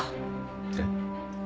えっ？